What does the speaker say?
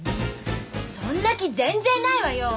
そんな気全然ないわよ！